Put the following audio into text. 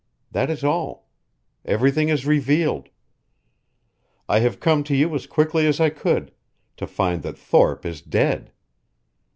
That is all. Everything is revealed. I have come to you as quickly as I could, to find that Thorpe is dead.